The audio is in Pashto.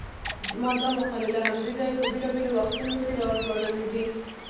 ما دا مقالې له همدې ځایه په بېلابېلو وختونو کې راژباړلې دي.